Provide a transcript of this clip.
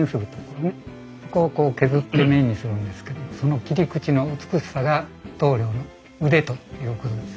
そこをこう削って面にするんですけどその切り口の美しさが棟りょうの腕ということです。